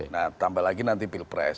nah tambah lagi nanti pilpres